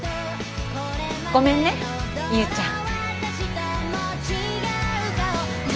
ごめんね勇ちゃん。